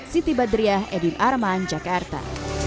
siti badriah edwin arman jakarta